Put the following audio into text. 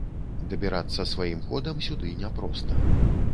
Дабірацца сваім ходам сюды няпроста.